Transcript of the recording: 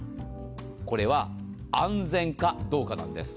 これは安全かどうかなんです。